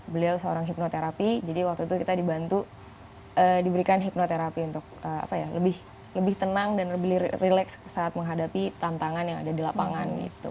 beliau seorang hipnoterapi jadi waktu itu kita dibantu diberikan hipnoterapi untuk lebih tenang dan lebih relax saat menghadapi tantangan yang ada di lapangan